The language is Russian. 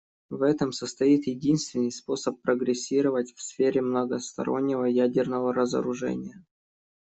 В этом состоит единственный способ прогрессировать в сфере многостороннего ядерного разоружения.